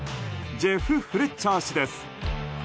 ジェフ・フレッチャー氏です。